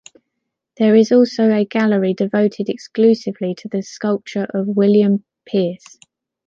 There is also a gallery devoted exclusively to the sculpture of William Pearse.